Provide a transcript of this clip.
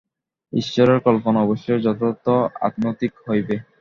ঈশ্বরের কল্পনা অবশ্যই যথার্থ আধ্যাত্মিক হইবে।